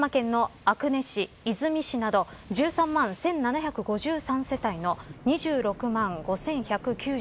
鹿児島県の阿久根市、和泉市など１３万１７５３世帯の２６万５１９４人。